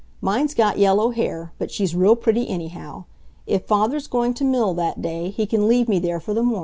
Mine's got yellow hair, but she's real pretty anyhow. If Father's going to mill that day, he can leave me there for the morning."